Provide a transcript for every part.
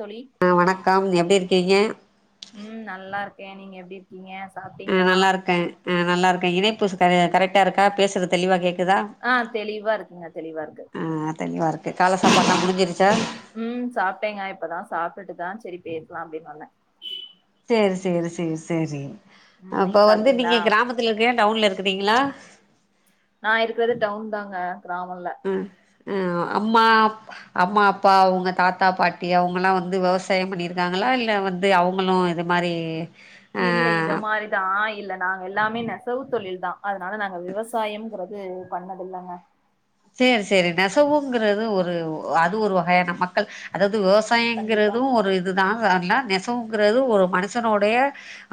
தோழி ஆ வணக்கம் எப்டி இரு கிங்க ம் நல்லா இருக்கே நீங்க எப்டி இருக்கீங்க ஆ சாப்ட்டீங்களா நல்லா இருக்கே நல்லா இருக்க இணைப்பு கரெக்ட் டா இருக்கா பேசுற தெளிவா கேக் ஆ தெளிவா இருக்குங்க தெளிவா இருக்கு ஆ தெளிவா இருக்கு கால சாப்பாடுலா முஞ்சிருச்சா ம் சாப்பிட்டேங்க இப்பதா சாப்ட்டுட்டுதா சேரி பேசலாம் அப்டின்னு வந்தே செரி செரி செரி செரி ம் நீங்க அப்ப வந்து சாப்ட்டீங்களா நீங்க கிராமத்துல இருக்க டவுன்ல இருக்கீங் க்குறீங்களா நா இருக்றது டவுன் தாங்க கிராமம் இல்ல அ அம்மா அம்மா அப்பா அவங்க தாத்தா பாட்டி அவங்களலாம் வந்து விவசாயம் பண்ணியிருக்காங்களா இல்லை வந்து அவங்களும் இது மாரி இல்ல இத ஆ மாரிதா இல்ல நாங்க எல்லாமே நெசவு தொழில் தா அதனால நாங்க விவசாயம்ங்கறது பண்ணது இல்லங்க சேரி சேரி நெசவுங்கறது ஒரு அது ஒரு வகையான மக்கள் அதாவது விவசாய கண்டிப்பா விவசாயங்குறது ஒரு இதுதா [unintelligible] நெசவுங்கிறது ஒரு மனுஷனுடைய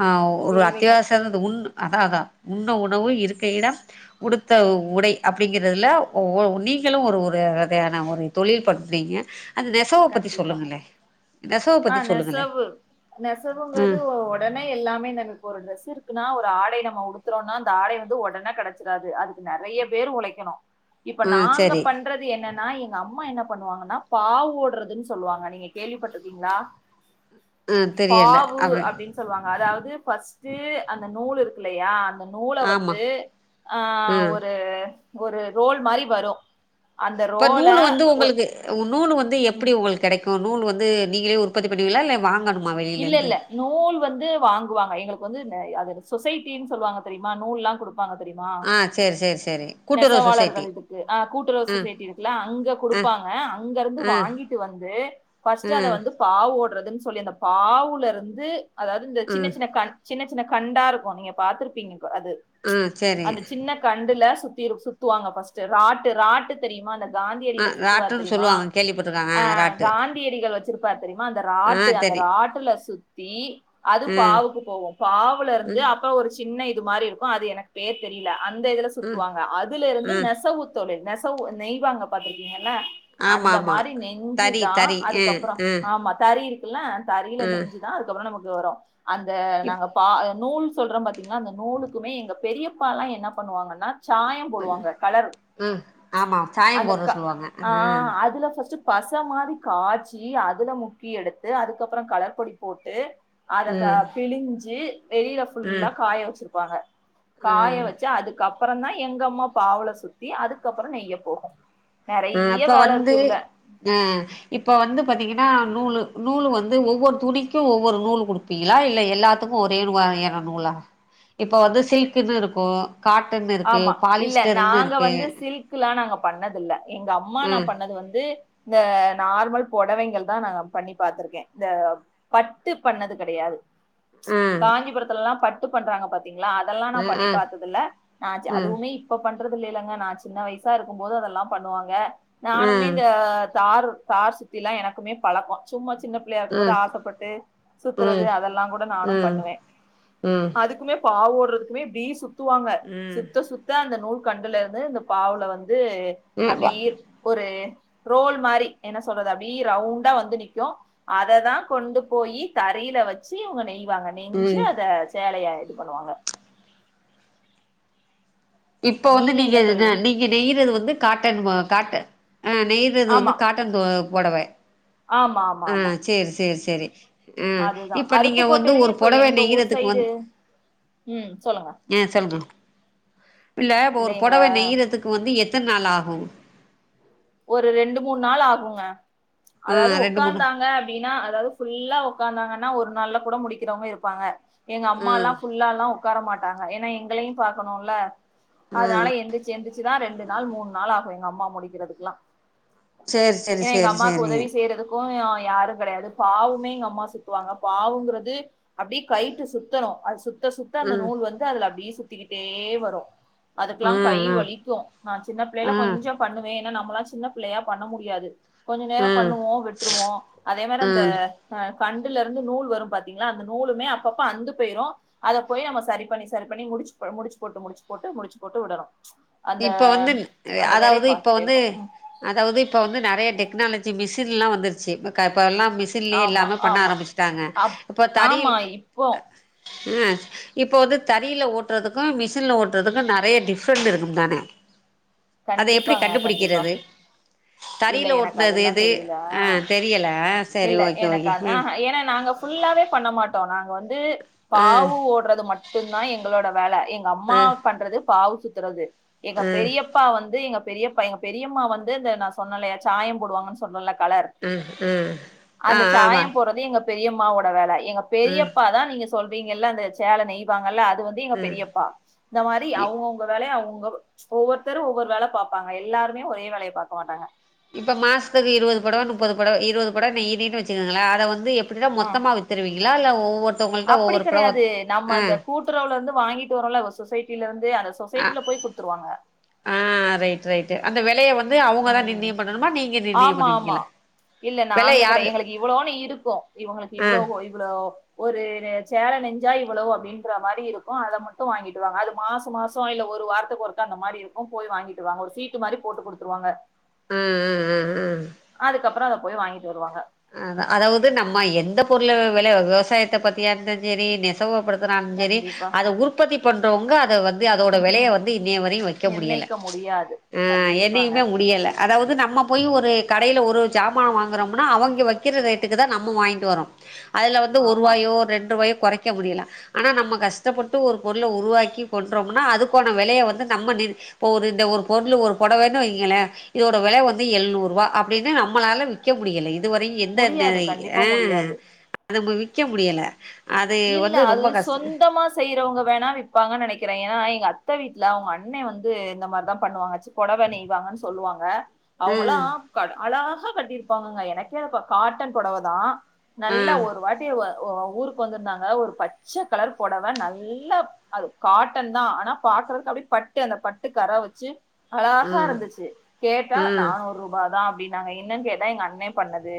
ஆ ஒரு தேவைகள் அத்தியாவசிய [unintelligible] உண்ட் அதா அதா உண்ண உணவு இருக்க இடம் உடுத்த உடை அப்டிங்கிறதுல ஒ ஒ நீங்களும் ஒரு [unintelligible] ஒரு தொழில் பண்றீங்க அந்த நெசவ பத்தி கண்டிப்பா சொல்லுங்களே நெஸ் ஆ நெசவு நெசவுங்கறது ம் ஒடனே எல்லாமே நம்ம இப்போ ட்ரெஸ்ஸு இருக்குனா ஒரு ஆடை நம்ம உடுத்துறோன்னா அந்த ஆடை வந்து உடனே கெடைச்சிடாது அதுக்கு நெறைய பேர் ஒழைக்கணு இப்ப ஆ நாங்க சரி பண்றது என்னென்னா எங்க அம் அம்மா என்ன பண்ணுவாங்கன்னா பாவோடுறதுன்னு சொல்லுவாங்க நீங்க கேள்விப்பட்ட கீங்களா ஆ தெரியல பாவு அப்டி அப்டின்னு சொல்லுவாங்க அதாவது ஃபஸ்ட்டு அந்த நூல் இருக்கில்லையா அந் நூல ஆமா வந்து ஆ ம் ஒரு ஒரு ரோல் மாரி வரு அந்த இப்ப ரோல நூலு வந்து ஒரு உங்களுக்கு நூலு வந்து ம் எப்டி உங்களுக்கு கெடைக்கு இப்ப நூல் வந்து நீங்களே உற்பத்தி பண்ணுவீங்களா இல்ல வாங்கணு இல்ல இல்ல நூல் வந்து வாங் [unintelligible] எங்களுக்கு வந்து நெ அதோட சொசைட்டின்னு சொல்லுவாங்க தெரியுமா நூல்லா குடுப் ப்பாங்க தெரியுமா ஆ சேரி சேரி சேரி கூட்டுறவு சொசைட்டி நெசவாளர்கள் இதுக்கு ஆ கூட்டுறவு ஆ சொசைட்டி இருக்குல அங்க ஆ குடுப்பாங்க அங்கருந்து ஆ வாங்கிட்டு வந்து ஆ ஃப்ஸ்ட்டு அத வந்து பாவோட்ற சொல்லி [unintelligible] பாவுலருந்து அதாது இந்த ஆ சின்ன சின்ன கண் சின்ன சின்ன கண்டாருக்கு நீங்க பாத்துருப்பீங்க அது ஆ சேரி அந்த சின்ன கண்டுல சுத்தி சுத்துவாங்க ஃப்ஸ்ட்டு ராட்டு ராட்டு தெரியுமா அந்த ஆ காந்தியடிகள் சுத்துவாரு ராட்டுன்னு தெரியுமா சொல்லுவாங்க கேள்விப்பட்டிருக்காங்க ஆ ராட்டு காந்தியடிகள் வச்சிருப்பாரு தெரியுமா அந்த ஆ ராட்டு அந் தெரி ராட்டுல சுத் தீ அது ஆ பாவுக்கு போவு பாவுலருந்து அப்ப ஒரு சின்ன இது மாரி இருக்கு அது எனக்கு பேர் தெரியல அந்த இதுல சுத்துவாங்க அதுலேருந்து ஆ நெசவு தொழில் நெசவு நெய்வாங்க பாத்திருக்கீங்கல்ல ஆமா அந்த ஆமா மாரி தறி நெஞ்சுதா தறி ஆ அதுக்கப்புற ஆ ஆமா தறி ல்லா தறியில ஆ நெஞ்சுதா அதுகப்புற நமக்கு து வரு அந்த இப் நாங்க பா நூல் சொல்றம்பாத்தீங்களா அந்த நூலுக்குமே எங்க பெரியப்பாலா என்ன பண்ணுவாங்கன்னா சாயம் போடுவாங்க கலர் ஆ ஆமா சாயம் அந்த போடுற கல சொல்லுவாங்க ஆ அதுல ஃபஸ்ட் பச மாரி காச்சி அதுல முக்கி எடுத்து அதுக் கப்புற கலர் பொடி போட்டு அதக்க பிழிஞ்சு வெளியில ஆ ஃபுல்லா காய வச்சிரு வாங்க ஆ காய ஆ வச்சு அதுக்கப் புறம் தான் எங்க அம்மா பாவல சுத்தி அதுக்கப்புறம் நெய்ய போகும் ஆஹ் அப்ப வந்து ஆஹ் இப்ப வந்து பாத்தீங்க னா நூல் நூல் வந்து ஒவ்வொரு துணிக்கும் ஒவ்வொரு நூல் குடுப்பீங்களா இல்ல எல்லாத்துக்கும் ஒரே [unintelligible] நூலா இப்போ வந்து சில்குன்னு இருக்கும் ஆமா இல்ல நாங்க இருக்கு வந்து சில்க்ல்லா நாங்க பண்ணது இல்ல எங்க அம்மா நான் ம் பண்ணது வந்து து இந்த நார்மல் பொடவைகள் தான் நான் பண்ணி பாத்திருக்கேன் இந்த பட்டு பண்ணது கிடையாது ம் காஞ்சிபுரத்துலல்லாம் பட் ட்டு பண்றாங்க பாத் தீங்ளா அதெல்லாம் நான் ம் பண்ணி ம் பாத்ததுல்ல ம் அதுவுமே இப்ப ப பண்றது இல்ல இல்லங்க நான் சின்ன வயசா இருக்கும்போது அதெல்லாம் பண்ணுவாங்க நானுமே ம் இந்த தாரு தார் சுத்தி ல்லா எனக்குமே பழக்கோ சும்மா சின்ன பிள்ளையா இருக்கும் போது ம் ஆசப்பட்டு ம் சுத்துறது அதெல்லா கூட நானு ம் பண்ணுவே ம் அதுக்குமே பாவோ றதுக்குமே இப்டி சுத் துவாங்க ம் சுத்த சுத்த அந்த நூல் கண்டுலேந்து இந்த பாவ்ல வந் வந்து ம் வ அப்டி ஒரு ரோல் மாரி என்ன சொல்றது அப்டி ரவுண்டா வந்து நிக்கும் அததான் கொண்டு போய் தரையில வச்சு இவங்க நெய் ங்க நெஞ்சு ம் அத சேலையா இது பண்ணுவாங்க இப்ப வந்து நீங்க என்ன தோழி நீங்க நெயறது வந்து காட்டன் காட்ட ஆ நெயறது வந்து ஆமா காட்டன் போ பொடவ ஆ சேரி சேரி சேரி சரி அதுதான் அருப்புக்கோட்டையிலயும் இப்ப எங்க ஊர் சைடு ம் சொல்லுங்க ஆஹ் சொல்லுங்க இல்ல இப்ப ஒரு பொடவை நெயறதுக்கு வந்து எ எத்தன் நாளாகும் ஒரு ரெண்டு மூணு நாள் ஆகுங்க ஆ அதாவது ரெண்டு மூணு உக்காந்தாங்க அப்டின்னா அதாவது ஃபுல்லா உக்காந்தாங்க னா ஒரு நாள்ல கூட முடிக்கிறவங்க இருப்பாங்க எங்க ஆ அம்மாலாம் ஃபுல்லாலாம் உட்கார மாட்டாங்க ஏன்னா எங்களையும் பாக்கணுல ஆ அதனால எந்திருச்சு எந்திச்சு னா ரெண்டு நாள் மூணு நாள் ஆகும் எங்க அம்மா முடிக்கிறது ல்லா சேரி சேரி ஏனா எங்க சேரி அம்மாக்கு சேரி உதவி செய்யறதுக்கும் யாரும் கிடையாது பாவுமே எங்க அம்மா சுத்துவாங்க பாவுங்கிறது அப்டியே கைட்டு சுத்தணும் அது சுத்த சுத்தசுத்த அந்த ம் நூல் வந்துஅதுல அப்படியே சு சுத்திக்கிட்டே வரும் ஆ அதுக்கெல்லாம் கை ஆ வலிக்கும் நான் சின்ன பிள்ளைல ஆ கொஞ்சம் பண்ணுவேன் நம்மளாம் சின்ன புள்ளையா பண்ண முடியாது கொஞ்சம் ஆ நேரம் பண்ணுவோம் விட்டுருவோம் அதே மாதிரி ஆ அந்தஹ கண்டுல இருந்து நூல் வரும் பாத்தீங்களா அந்த நூலுமே அப்பப்ப அந்து போயிரும் அத போய் நம்ம சரி பண்ணி சரி பண்ணி முடிச்சு முடிச்சு போட்டு முடிச்சு போட்டு முடிச்சு போட்டு விடணும் அந்த இப்ப வந்து அந்த வேலைய அதாவது இப்ப பாத்துட்டே வந்து இருக்கணும் ம் அதாவது இப்ப வந்து நிறைய டெக்னாலஜி மிஸ் சல்லாம் வந்துருச்சு த இப்ப எல்லாம் மிஷின்லயே ஆமா எல்லாமே பண்ண ஆமா ஆரம்பிச்சட்டாங்க அப் இப்ப தரில் ஆமா இப்போ அ இப்போ வந்து தறியில ஓட்டுறதுக்கும் மிஷினில ஓட்டுறதுக்கும் நறைய டிஃப்ரெண்ட் இருக்கு ம் தானே அத எப்டி கண்டிப்பாங்க கண்டிப்பா கண்டுபுடிக்கிறது இல்ல தறில எனக்கு ஓட்டுனது அதெல்லா எது தெரியல ஆஹ் தெரியல சரி இல்ல ஓகே எனக்கு ஓகே ஹும் அதான் ஏன்னா நாங்க ஃபுல்லாவே பண்ண மாட்டோ நாங்க வந்து ம் பாவு ஓடுறது மட்டுந்தா எங்களோட வேல எங்க அம்மா ம் பண்றது பாவுசுத்துறது எங்க ம் பெரிய வந்து எங்க பெரியப்பா எங்க பெரியம்மா வந்து நா சொன்னலையா சாயம் போடுவாங்கனு சொன்னல கலர் ம் ம் ஆ அந்த ஆமா சாயோ போறது எங்க பெரியம்மா வோட வேல எங்க ம் பெரியப்பாதா நீங்க சொல்றீங்கில்ல அந்த சேலை நெய்வாங்கல்ல அது அது வந்து எங்க ம் பெரியப்பா இந்த மாரி இ அவங்கவுங்க வேலய அவுங்கவங்க ஓ ஓவ் ஒவ்வொருதரு ஓவ்வொரு வேல பாப்பாங்க எல்லாருமே ஒரே வேலைய பாக்க மாட்டாங்க இப்ப மாசத்துக்கு இருபது பொடவ முப்பது பொடவ இருபது பொடவ நெய்யிரனு வச்சுக்கங்களே அத வந்து இப்படி த ம். மொத்தமா வித்திடுவீங்க அப்டில்லா இல்ல ஒவ்வொரு ஒவ்வொருத்தவங்கள்ட்ட அப்படி பொடவ கெடையாது நம்ம ஆ அந்த கூட்டுறவுல இருந்து வாங்கிட்டு வரோல சொசைட்டில இருந்து அந்த ஆ சொசைட்டில போய் குடுத்துருவாங்க ஆ ரைட் ரைட்டு அந்த வெலைய வந்து அவங்கதா உம் நிர்ணயம் பண்ணணுமா நீங்க நிர்ணயம் ஆமா ஆமா பண்ணுவீங்களா இல்ல வெல நாங்ககெடையா யாரு எங்களுக்கு இவ்வளோனு இருக்கு இவங்களுக்கு ஆ இவ்வளோ இவ்வளோ ஒரு சேலை நெஞ்சா இவ்வளோ அப்படின்ற மாரி இருக்கு அத மட்டு வாங்கிட்டுவாங்க அது மாசோ மாசோ இல்ல ஒரு வாரத்துக்கு ஒருக்கா அந்த மாரிருக்கு போய் வாங்கிட்டுவாங்க ஒரு சீட்டு மாரி போட்டு கொடுத்து துருவாங்க ஆ ஆ ஆ அதுக்கப்புறோ போய் வாங்கிட்டு வருவாங்க ஆ அதாவது நம்ம எந்த பொருள்லா வெல விவசாயத்தை பத்தியா இருந்து செரி நெசவுப்படுத்த படுத்துனாலு செரி கண்டிப்பா அத உற்பத்தி பண்றவங்க அத வந்து அதோட வெலைய வந்து இன்னிய வரையு வெக்க முடியல நிர்ணயிக்க முடியாது ஆ கண்டிப்பாங்க என்னைக்குமே முடியல அதாவது நம்ம போய் ஒரு கடையில ஒரு சாமானா வாங்கறோம்னா அவங்க வைக்கிற ரேட்டுக்கு தா நம்ம வாங்கிட்டு வரோ அதில வந்து ஆமா ஒருவாயோ ரெண்டு வாயோ கொறைக்க முடியல ஆனா நம்ம கஷ்டப்பட்டு ஒரு பொருளை உருவாக்கி கொண்றோம்னா அதுக்கான வெலையவந்து நம்ம நிர் இப்ப ஒரு இந்த ஒரு பொருளு ஒரு பொடவேனு வெய்ங்களே இதோட வெல வந்து எழுநூறு ரூபா அப்படின்னு நம்மளால விக்க முடியல இது வரையு எந்த நே முடியாது கண்டிப்பா ஆ முடியாது நம்ம விக்க முடியல அது இல்ல வந்து அது ரொம்ப கஷ்ட சொந்தமா செய்றவங்க வேணா விப்பாங்கன் நெனைக்கிறே ஏனா எங்க அத்த வீட்ல அவுங் அண்ணே வந்து இந்த மாரிதா பண்ணுவாங்க [unintelligible] பொடவ நெய்வாங்கன் சொல்வாங்க அவுங்களா ம் [unintelligible] ஆனா [unintelligible] கட்டிருப்பாங்கங்க எனக்கே [unintelligible] காட்டன் பொடவ தா ஆ நல்லா ஒரு வாட்டி ஒ ஓ ஊருக் வந்திருந்தாங்க ஒரு பச்ச கலர் பொடவ நல்லா அது காட்டன் தா ஆனா பாக்குறதுக் அப்டே பட்டு அந்த பட்டு கர வெச்சு அழகா ம் இருந்துச்சு கேட்டா ம் நானூரூப தா அப்டினாங்க என்னென் கேட்டா எங்க அண்ணே பண்ணது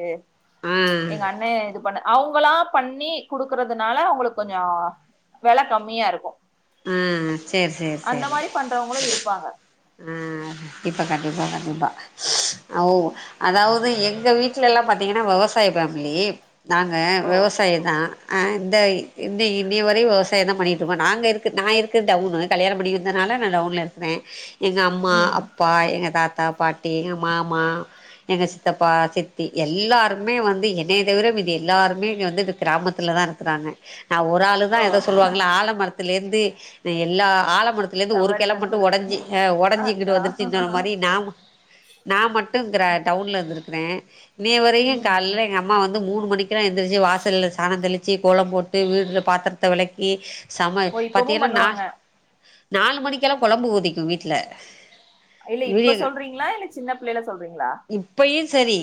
ஆ ச்ச் எங்க அண்ணே இது பண்ண அவுங்களா பண்ணி குடுக்கறதுனால உங்களுக்கு கொஞ்சோ வெல கம்மியா இருக்கு ம் சேரி சேரி அந்த சேரி மாரி பண்றவங்களு இருப்பாங்க எ இப்ப கண்டிப்பா கண்டிப்பா ச் ஓ அதாவ் து எங்க வீட்ல எல்லா பாத்தீங்கன்னா விவசாய ஃபேமிலி நாங்க ஓ விவசாயதா அ இந்த இன்னி இன்னி வரையு விவசாயந்தா பண்ணிகிட்டுருக்கோ நாங்க இருக் நா இருக்கது டவுனு கல்யாணம் பன்னி வந்தனால நான் டவுன்ல இருக்கிற எங்க அம்மா ம் அப்பா எங்க தா தா பாட்டி எங்க மாமா எங்க சித்தப்பா சித்தி எல்லாருமே வந்து என்னைய தவிர மீதி எல்லாருமே இங்க வந்து இந்த கிராமத்துலதா இருக்கிறாங்க நா ஒரு ஆளுதா ஓ எதோ சொல்லுவாங்ளா ஆல மர த்துலருந்து எல்லா ஆழ மரத்துல இருந்து ஒரு தவறி கில மட்டு வந்தது ஒடஞ்சி ஒடஞ்சு இங்கிட்டு அதா வந்துருச்சிங்கிற மாரி நா ம நா மட்டுங்கிற டவுன்ல வந்திருக்கிறே இன்னிய வரைக்கு ம் காலைல எங்க அம்மா வந் து மூனுமணி க்கிர எந்திரிச்சு வாசல்ல சானந்தெளி ச்சி கோலம் போட்டு வீட்ல பாத்தரத்த வெளக்கி சம ஓ இப்பமு பாத்தீங்கனா நா பண்ணுவாங்க நாலு மணிக்கெல்லா கொழம்பு ஒதிக்கு வீட் ட்ல அ இல்ல இப்ப சொல்றீங்ளா இல்ல சின்ன பிள்ளைல சொல்றீங்ளா செரி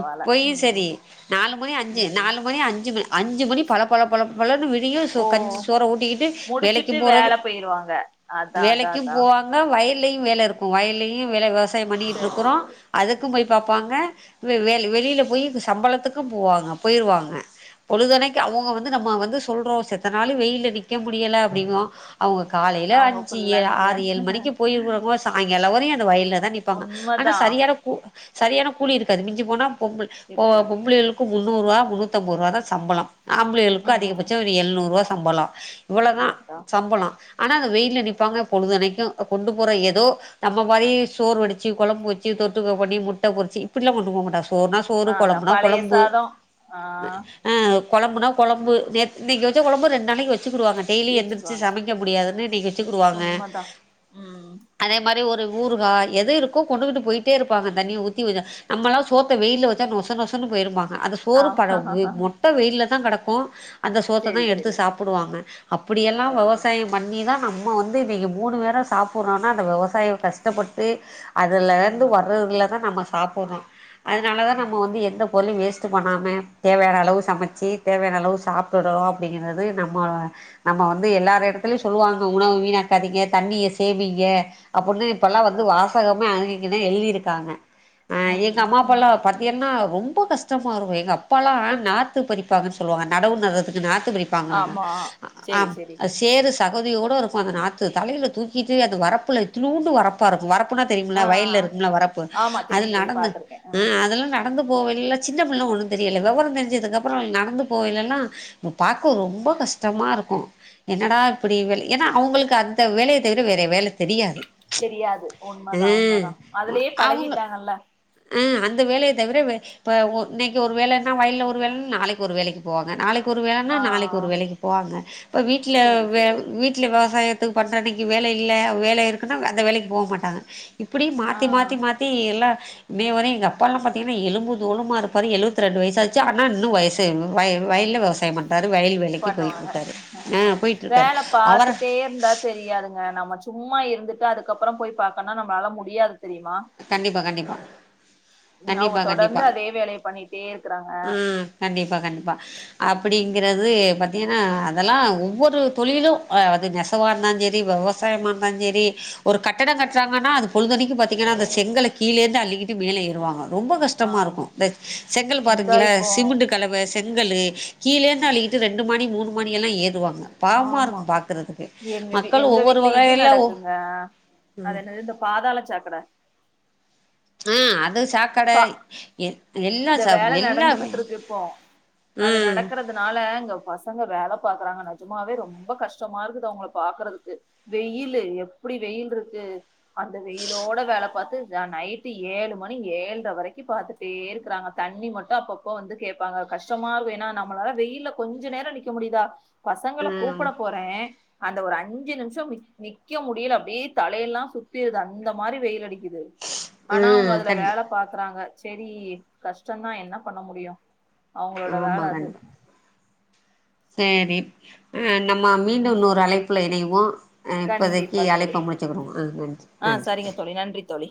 இப்பயு ம் செரி நாலு மணி அஞ்சு ம் நாலு மணி அஞ்சு மண் அஞ்சு மணி பள பள பள பளன்னு விடியு சோ ஓ கஞ்சி சோற ஊட்டிக்கிட்டு வேலைக்கு முடிச்சுட்டு போறது வேல போயிருவாங்க அதா அதா வேலைக்கு அதா போவாங்க வயல்லயு வேலை இருக்கு வயல்லயு வேலை விவசா சயம் பண்ணிகிட்டு சரி இருக்கிறோ சரி அதுக்கு போய் பாப்பாங்க வெளில போய் சம்பளத்துக்கு போவாங்க போயிருவாங்க பொழுதுனைக்கு அவுங்க வந்து நம்ம வந்து சொல்றோ செத்தனாலு வெயில நிக்க முடியல அப்டிங்குவா அவங்க காலைல அ அவங்க ஜிஏ ஃபுல்லா நிக்கிறே ஆறு ஏழு மணிக்கு போயிருறோங்கோ சாய எல்ல ஒருய வயல்ல தா நிப்பாங்க ஆனா உண்மதா சரியா கு சரியான கூலி இருக்காது மிஞ்சி போனா பொ இருக்காது பொம்பளைகளுக்கு முன்னூறுவா முன்னூத்தம்ப ரூவா தா சம்பளோ ஆம்பளைளுக்கு ம் ம் அதிகபட்சோ ம் ஒரு எழுநூறுபா சம்பள இவ்வளோதா அதா சம்பளோ ஆனா அது வெயில நிப் ப்பாங்க பொழுதனைக்கு கொண்டு போற ஏதோ நம்ம மாரி சோர் வடிச்சு கொழம்பு வச்சுட்டு தொட்டுக்க பண்ணி முட்ட பொரிச்சு இப்டில கொண்டுபோக மாட்டாக சோறுனா சோறு அதா கொழம்புனா பழைய கொழம்பு சாதோ ஆ ஆஹ் கொழம்புனா கொழம்பு நேத் இன்னக்கி வெச்ச கொழம்பு ரெண்ட் நாளைக்கு வச் க்குடுவாங்க டெய்லி எந்திருச்சு ஏச்சுக்குவாங்க சமைக்க முடியாதுன்னு னீங் உண்மதா உம்ஹ் அதே ஒரு ஊருகா எது இருக்கோ கொண்டுக்கிட்டு போயிட்டே இருப்பாங்க தண்ணிய ஊத்தி வ நம்மல்லா சோத்த வெயில வச்சா நோசனோசன்னு போயிரும்மா அது ஆ சோறு பழ மொட்ட வெயில தா கடக்கு ப்போ அந்த சோத்த தா சேரி எடுத்து சேரி சாப்பிடுவாங்க அப்படியெல்லா ஓ விவசாயோ பண்ணி தா நம்ம வந்து இன்னிக்கு மூணு பேரா சாப்பறோனா அந்த விவசாயோ கஷ்டப்பட்டு அதுலரெந்து உண்மதா வர்றதுலதா நம்ம சாப்புட்றோ அதனால தா நம்ம ம் வந்து எந்த பொருளை வேஸ் சும்மா நாமேதேவயான அளவு சமைச்சி தேவயான அளவு சாப்புர்ரோ அப்டிங்கறது நம்ம நம்ம வந்து எல்லார் எடத்துலயு சொல்லுவாங்க உணவு வீணாக்காதீங்க தண்ணிய சேமிங்க அப்படின்னு இப்பல்லா வந்து அதா வாசகமே அழி இல்லனா எழுதிருக்காங்க அஹ் ம் எங்க ம் ம் அம்மாப்பல்லா பாத்தீங்கன்னா ரொம்ப கஷ்டமாருக்கு எங்க அப்பால்லா நாத்து பறிப்பாங்கன் சொல்வாங்க நடவு நட்டறதுக்கு நா த்து பறிப்பாங்க நாங்க ஆமா சேரி சேரி ஆ சேரஸ் தகுதியோ ருக்கு அந்த நாத்து தலைல தூக்கிட்டு அது வரப்புல இத்துணூண்டு வரப்பா இருக்கு வர வரப்புனா தெரியும்ல ஆ வயல்ல ஆ இருக்கும்ல வரப்பு ஆமா அது தெரியு தெரியு நடந்த பாத்திருக்கே ம் அதெல்லா ந நடந்து போவேலல்லா சின்ன புள்ளேள ஒன்னும் தெரியல வெவரம் தெரிஞ்சதுக்குப்பறோ நடந்து போவேலல்லா பாக்க ரொம்ப கஷ்டமா இருக்கு என்னடா இப்பிடி வெல் ஏன்னா அவ்ங்கள்க்கு அந்த வேலய தவிர வேற வேல தெரியாது தெரியாது ஆ உண்மதா உண்மதா அதுலயே பழகிட்டாங்கல்ல ஆஹ் அந்த வேலய தவிர வே இப்ப இன்னைக்கு ஒரு வேலன்ன வயல்ல ஒரு வேலன் நாளைக்கு ஒரு வேலைக்கு போவாங்க நாளை இப்ப ஒரு வேலன்னா ஆ நாளைக்கு ஒரு வேலைக்கு போவாங்க இப்ப வீட்ல சேரி வெ சேரி வீட்ல வெவசாய த்து பண்ற அன்னைக்கி வேல இல்ல வேல இருக்குன்னா அந்த வேலைக்கு போ மாட்டாங்க இப்பிடி ஆ ஆ மாத்தி மாத்தி மாத்தி எல்லா மே வரை எங்கப்பால்லா பாத்திங்கனா எழும்பு தோலுமா இருப்பாரு எழுவத்திரெண்டு வைசாச்சு ஆனா இன்னு வைசு வை வயல்ல வெவசாய பண் பண்ணுவாங்க போயிட்ருக்காரு வேல‌ அவர பாத்துட்டே இருந்தா தெரியாதுங்க நம்ம சு சும்மா இருந்துட்டா அதுக்கப்றோ போய் பாக்கன்னா நம்மளாள முடியாது தெரியுமா கண்டிப்பா கண்டிப்பா ம் அவங்க கண்டிப்பா கண்டிப்பா தொடர்ந்து அதே வேலைய பண்ணிட்டே இருக்கறாங்க ம் கண்டிப்பா கண்டிப்பா அப்டிங்றது ப ஏனா அதல்லா ஒவ்வொரு தொழிலு அது நெசவா இருந்தாலு சேரி வெவசாயமா இருந்தாலு சேரி ஒரு கட்டடங் கட்றாங்கன்னா அது பொழுதண்ணிக்கி பா த்தீங்கன்னா அந்த செங்கள கீழ இருந்து அள்ளிகிட்டு மேல ஏறுவாங்க ரொம்ப கஷ்டமா இருக்கு ஆமா இந்த செங்கல் இந்தா பாருங்களே இப்போ சிமுண்ட்டு கலவ செங்கல்லு கீழே இருந்து அள்ளிகிட்டு ரெண்டு மாடி மூணு மாடியெல்லா ஏறுவா ஆம்மா எங்க வீ மக்கள் எங்க ஒவ்வொரு வீட்ல இது வகையில ஒ நடக்குங்க அது என்னது இந்த பாதாள சாக்கட ஆஹ் அத சாக்கட பா எ எல்லா அந்த ச வேல எல்லாமே. நடந்துகுட்ருக்கு இப்போ அது ம். நடக்குறதுனால இங்க பசங்க வேல பாக்குறாங்க நெஜமாவே ரொம்ப கஷ்டமாருக்குது அவ்ங்கள பாக்குறதுக்கு வெயில்லு எப்டி வெயில்ருக்கு அந்த வெயிலோட வேல பாத்து நா நைட்டு ஏழு மணி ஏழ்ர வரைக்கு பாத்துட்டே இருப் க்றாங்க தண்ணி மட்டு அப்பப்ப வந்து கேப்பாங்க கஷ்டமா இருக்கு ஏனா நம்மளால வெயில்ல கொஞ்ச நேரோ நிக்க முடிதா பசங்கள ம். கூப்பட போறே அந்த ஒரு அஞ்சு நிம்சோ நிக் நிக்க முடில அப்டியே தலையெல்லா சுத்திருது அந்த மாரி வெயில் அடிக் கிது ஆனா அவுங்க ம். அதுல கண்டி வேல பாக்றாங்க சேரி கஷ்ட தா என்ன பண்ண முடியு அவங்களோட வேல ஆமா அது கண்டிப்பா சேரி அ நம்ம மீண்டு ம் இன்னொரு அழைப்புல இணையு [unintelligible] அ இப்பதைக்கு கண்டிப்பா தோழி அழைப்ப முடிச்சுக்கிருவோ அ நன்றி ஆ அ நன்றி சரிங்க தோழி நன்றி தோழி